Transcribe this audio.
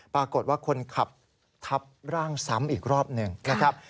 ปรากฏว่าคนขับทับร่างซ้ำอีกรอบหนึ่งนะครับ